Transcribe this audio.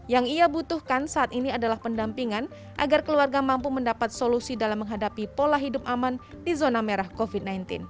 yang ia butuhkan saat ini adalah pendampingan agar keluarga mampu mendapat solusi dalam menghadapi pola hidup aman di zona merah covid sembilan belas